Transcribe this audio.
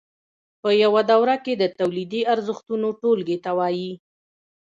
په یوه دوره کې د تولیدي ارزښتونو ټولګې ته وایي